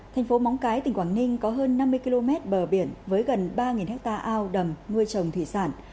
thành phố móng cái tỉnh quảng ninh có hơn năm mươi km bờ biển với gần ba ha ao đầm nuôi trồng thủy sản